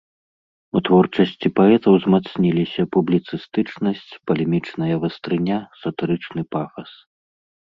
У творчасці паэта ўзмацніліся публіцыстычнасць, палемічная вастрыня, сатырычны пафас.